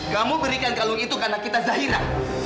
kamu berikan kalung itu karena kita zahira